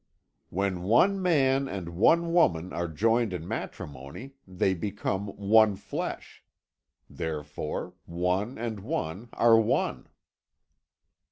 "When one man and one woman are joined in matrimony, they become one flesh. Therefore, one and one are one.